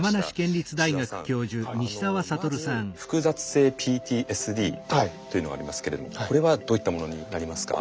まず複雑性ＰＴＳＤというのがありますけれどもこれはどういったものになりますか？